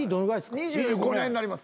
２５年になります。